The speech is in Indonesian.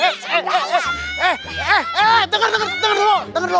dengar dengar dengar dulu